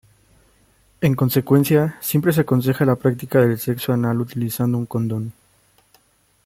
En consecuencia "siempre" se aconseja la práctica del sexo anal utilizando un condón.